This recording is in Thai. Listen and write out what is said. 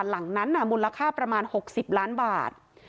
หลังนั้นมูลค่าประมาณ๖๐ล้านบาท